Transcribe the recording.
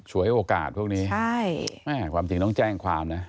วยโอกาสพวกนี้ใช่แม่ความจริงต้องแจ้งความนะ